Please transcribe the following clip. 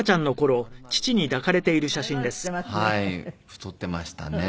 太っていましたね。